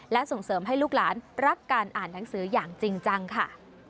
และส่งเสริมให้ลูกหลานรักการอ่านหนังสืออย่างจริงจังค่ะ